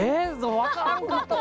分からんかったわ！